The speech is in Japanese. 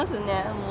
もう。